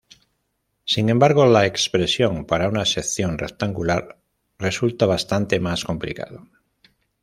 Sin embargo, la expresión para una sección rectangular resulta bastante más complicado.